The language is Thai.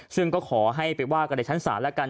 ซึ่งก็ขอให้ไปว่ากันในชั้นศาลแล้วกัน